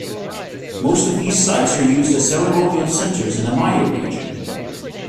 Most of these sites are used as ceremonial centers in the Maya religion.